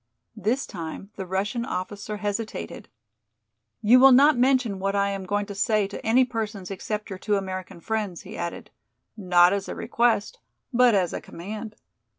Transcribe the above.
This time the Russian officer hesitated. "You will not mention what I am going to say to any persons except your two American friends," he added, not as a request, but as a command.